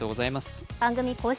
番組公式